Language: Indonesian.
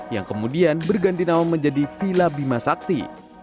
yang kemudian berganti nama menjadi villa bima sakti